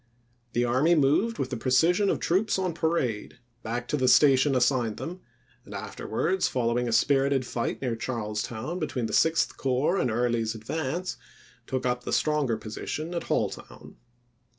The army moved with the pre cision of troops on parade back to the station assigned them, and afterwards, following a spirited fight near Charlestown between the Sixth Corps and Early's advance, took up the stronger position at Halltown.